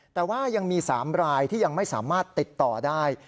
แต่ว่ายังมี๓รายที่ยังไม่สามารถติดต่อได้